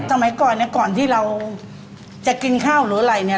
สมัยก่อนก่อนที่เราจะกินข้าวหรืออะไร